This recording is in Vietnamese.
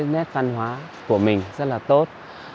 nét văn hóa của mình rất là tốt